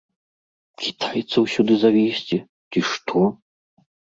Кітайцаў сюды завезці, ці ш то?